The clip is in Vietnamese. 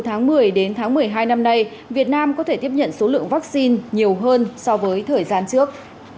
theo bộ y tế từ tháng một mươi đến tháng một mươi hai năm nay việt nam có thể tiếp nhận số lượng vaccine nhiều hơn so với thời gian trước